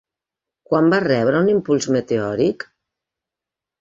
Quan va rebre un impuls meteòric?